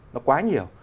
nó quá nhiều